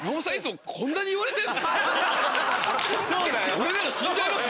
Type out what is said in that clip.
俺なら死んじゃいます